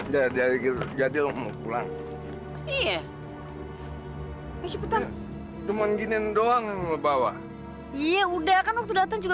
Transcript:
jadi jadi jadi mau pulang iya cepetan cuman gini doang bawa iya udah kan waktu datang juga